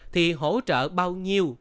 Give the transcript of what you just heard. thì hỗ trợ bao nhiêu